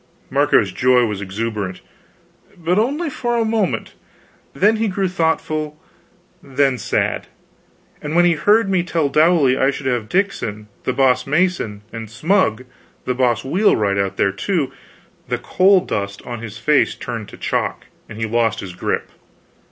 Marco's joy was exuberant but only for a moment; then he grew thoughtful, then sad; and when he heard me tell Dowley I should have Dickon, the boss mason, and Smug, the boss wheelwright, out there, too, the coal dust on his face turned to chalk, and he lost his grip.